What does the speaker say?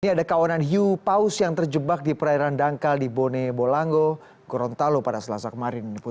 ini ada kawanan hiu paus yang terjebak di perairan dangkal di bone bolango gorontalo pada selasa kemarin